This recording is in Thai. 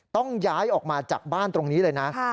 ต้องย้ายออกมาจากบ้านตรงนี้เลยนะ